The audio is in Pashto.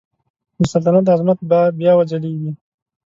د سلطنت عظمت به بیا وځلیږي.